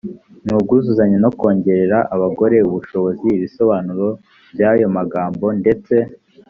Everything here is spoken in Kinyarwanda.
n ubwuzuzanye no kongerera abagore ubushobozi ibisobanuro by ayo magambo ndetse